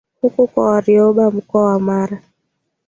huko kwa Wakiroba Mkoa wa Mara